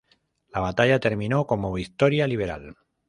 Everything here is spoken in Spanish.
La batalla terminó como victoria liberal.